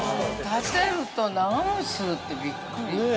◆立てると長もちするってびっくりする。